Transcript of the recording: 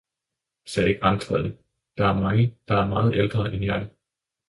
sagde grantræet, der er mange, der er meget ældre end jeg!